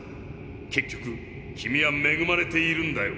結局君はめぐまれているんだよ。